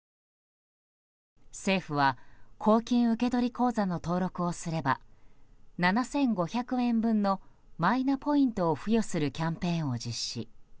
政府は公金受取口座の登録をすれば７５００円分のマイナポイントを付与するキャンペーンを実施。